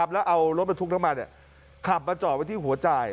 แล้วเอารถบรรทุกน้ำมันขับมาจอดไว้ที่หัวจ่าย